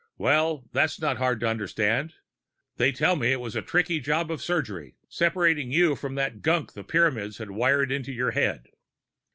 Well, that's not hard to understand they tell me it was a tricky job of surgery, separating you from that gunk the Pyramids had wired into your head."